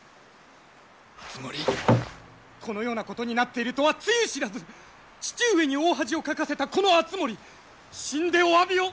このようなことになっているとはつゆ知らず父上に大恥をかかせたこの敦盛死んでおわびを！